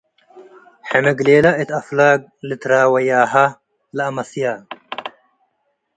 ሕምግሌለ እት አፍላግ - ልትረወያሀ ለአመስየ